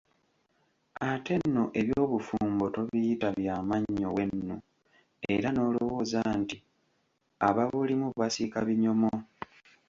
Ate nno eby'obufumbo tobiyita bya mannyo wenu era n'olowooza nti ababulimu basiika binyomo!